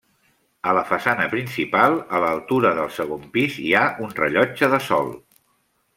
A la façana principal, a l'altura del segon pis, hi ha un rellotge de sol.